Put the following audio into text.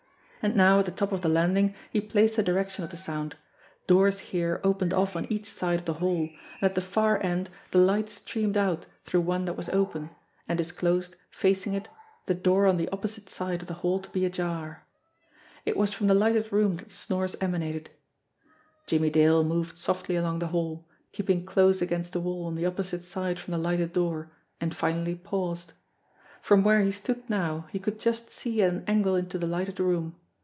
And now at the top of the landing, he placed the direction of the sound. Doors here opened off on each side of the hall, and at the far end the light streamed out through one AT "THE WHITE RAT" 275 that was open, and disclosed, facing it, the door on the op posite side of the hall to be ajar. It was from the lighted room that the snores emanated. Jimmie Dale moved softly along the hall, keeping close against the wall on the opposite side from the lighted door, and finally paused. From where he stood now, he could just see at an angle into the lighted room.